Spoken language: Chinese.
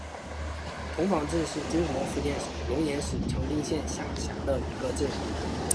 童坊镇是中国福建省龙岩市长汀县下辖的一个镇。